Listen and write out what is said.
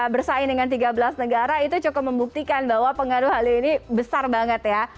bersaing dengan tiga belas negara itu cukup membuktikan bahwa pengaruh hal ini besar banget ya